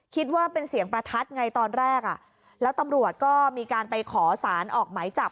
คิดว่าเป็นเสียงประทัดไงตอนแรกอ่ะแล้วตำรวจก็มีการไปขอสารออกหมายจับ